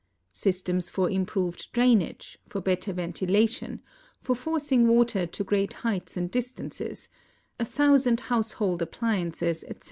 Systems for improved drainage ; for better veutilation ; for forcing water to great heights and distances ; a thousand house hold appliances, etc.